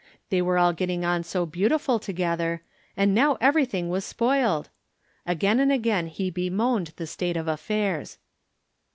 They were all getting on so beautiful together, and now everything was spoiled ? Again and again he bemoaned the state of affairs.